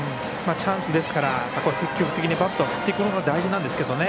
チャンスですから積極的にバットは振っていくことが大事なんですけどね。